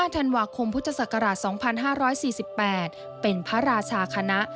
ธันวาคมพุทธศักราช๒๕๔๘เป็นพระราชาคณะ